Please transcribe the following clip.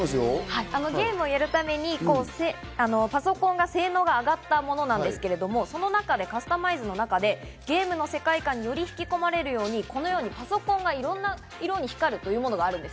ゲームをやるためにパソコンの性能が上がったものなんですけど、その中でカスタマイズの中で、ゲームの世界観により引き込まれるように、このようにパソコンがいろんな色に光るというものがあるんです。